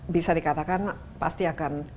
bisa dikatakan pasti akan